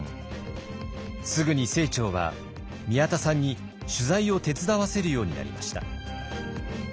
すぐに清張は宮田さんに取材を手伝わせるようになりました。